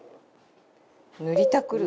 塗りたくる。